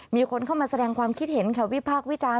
มีคนเข้ามาแสดงความคิดเห็นค่ะวิพากษ์วิจารณ์